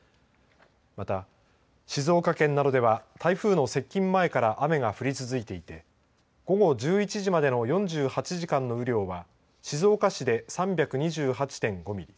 また、静岡県などでは台風の接近前から雨が降り続いていて午後１１時までの４８時間の雨量は静岡市で３２８．５ミリ